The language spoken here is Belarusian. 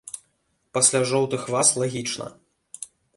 Пасля жоўтых ваз лагічна.